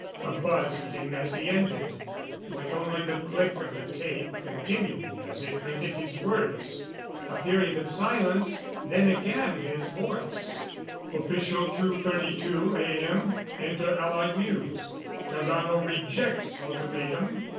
"_ A buzz came as he ended, with only the click of the tape continuing as it printed his words. A period of silence, then again his voice: _"Official 2:32 A. M. Inter Allied News: Tarrano rejects Ultimatum.